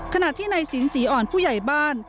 ขนาดที่นายสินสีอร์ผู้ใหญ่บ้าน